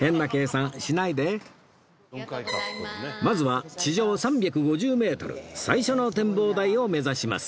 まずは地上３５０メートル最初の展望台を目指します